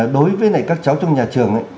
đối với các cháu trong nhà trường